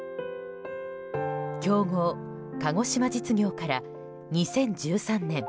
強豪・鹿児島実業から２０１３年